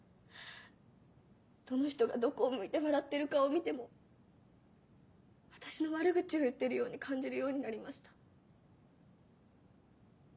どの人がどこを向いて笑ってる顔を見ても私の悪口を言っているように感じるようになりました。